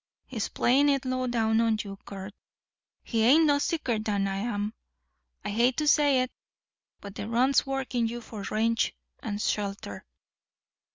He's playin' it low down on you, Curt. He ain't no sicker'n I am. I hate to say it, but the runt's workin' you for range and shelter."